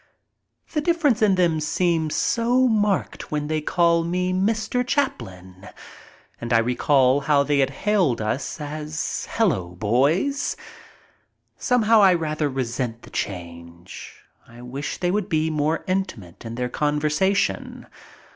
The difference in them seems so marked when they call me Mr. Chaplin and I recall how they had hailed us as "Hello, boys." Somehow I rather resent the change. I wish they would be more intimate in their conversation.